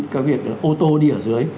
cái việc ô tô đi ở dưới